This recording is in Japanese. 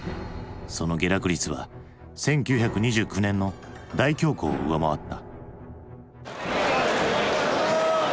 その下落率は１９２９年の大恐慌を上回った。